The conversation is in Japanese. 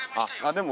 でも。